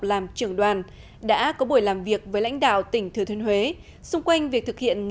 làm trưởng đoàn đã có buổi làm việc với lãnh đạo tỉnh thừa thiên huế xung quanh việc thực hiện